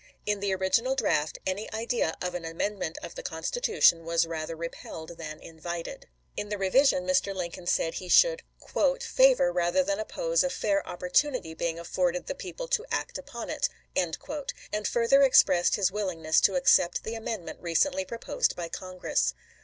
In the original draft any idea of an amendment of the Constitution was rather repelled than invited. In the revision Mr. Lincoln said he should " favor rather than oppose LINCOLN'S INAUGURATION 323 a fair opportunity being afforded the people to act chap.xxi. upon it," and further expressed his willingness to accept the amendment recently proposed by Con gress.